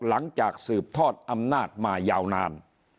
หลังจากสืบทอดอำนาจมายาวนาน